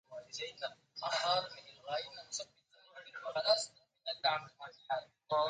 غادر فاضل البلد.